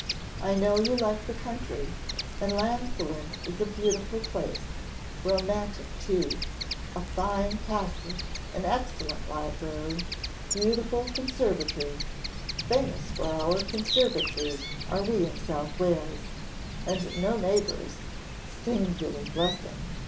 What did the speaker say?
I know you like the country, and Llansillen is a beautiful place romantic too; a fine castle, an excellent library, beautiful conservatory; famous for our conservatories we are in South Wales; and no neighbours singular blessing!